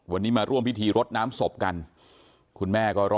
วันนี้มาร่วมพิธีรดน้ำศพกัน